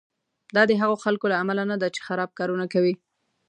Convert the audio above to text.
دا د هغو خلکو له امله نه ده چې خراب کارونه کوي.